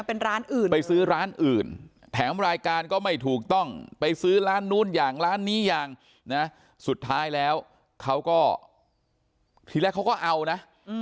เป็นร้านอื่นไปซื้อร้านอื่นแถมรายการก็ไม่ถูกต้องไปซื้อร้านนู้นอย่างร้านนี้อย่างนะสุดท้ายแล้วเขาก็ทีแรกเขาก็เอานะ